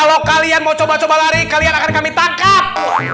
kalau kalian mau coba coba lari kalian akan kami tangkap